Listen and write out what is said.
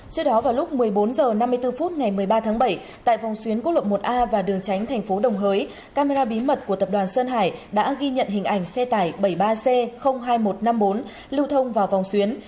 trước đó vào lúc một mươi bốn h năm mươi bốn phút ngày một mươi ba tháng bảy tại vòng xuyến quốc lộ một a và đường tránh thành phố đồng hới camera bí mật của tập đoàn sơn hải đã ghi nhận hình ảnh xe tải bảy mươi ba c hai nghìn một trăm năm mươi bốn lưu thông vào vòng xuyến